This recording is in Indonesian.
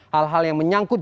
hal hal yang menyangkut